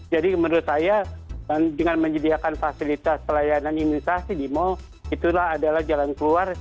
jadi menurut saya dengan menyediakan fasilitas pelayanan imunisasi di mall itulah adalah jalan keluar